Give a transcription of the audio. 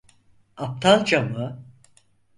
Aptalca mı?